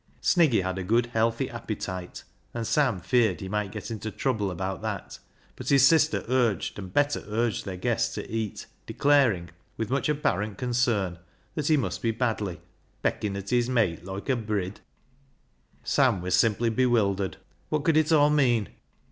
Sniggy had a good healthy appetite, and Sam feared he might get into trouble about that, but his sister urged and better urged their guest to eat, declaring, with much apparent concern, that he must be badly, " peckin' at his meit loike a brid." Sam was simply bewildered. What could it all mean